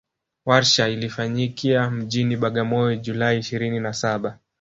Warsha ilifanyikia mjini Bagamoyo July ishirini na Saba